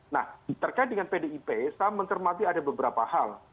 nah terkait dengan pdip saya mencermati ada beberapa hal